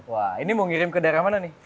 wah ini mau ngirim ke daerah mana nih